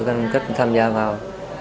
nên cất tham gia vào